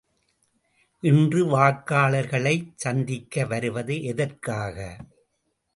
இன்று வாக்காளர்களைச் சந்திக்க வருவது எதற்காக?